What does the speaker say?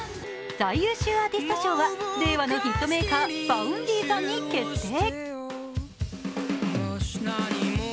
最優秀アーティスト賞は令和のヒットメーカー、Ｖａｕｎｄｙさんに決定。